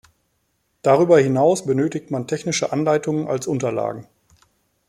Darüber hinaus benötigt man technische Anleitungen als Unterlagen.